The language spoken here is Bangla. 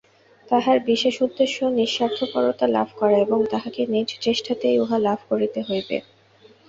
তাঁহার বিশেষ উদ্দেশ্য নিঃস্বার্থপরতা লাভ করা এবং তাঁহাকে নিজ চেষ্টাতেই উহা লাভ করিতে হইবে।